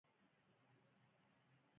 باز د ښکار لپاره کارېږي